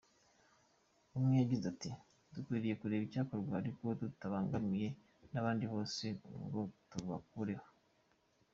Umwe yagize ati “Dukwiriye kureba icyakorwa ariko tutabangamiye na babandi bose ngo tubakureho.